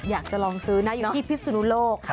อยากจะลองซื้อนะอยู่ที่พิศนุโลก